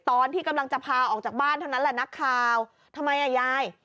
ตอนที่กำลังจะพาออกจากบ้านเท่านั้นแหละนักข่าวทำไมอ่ะยาย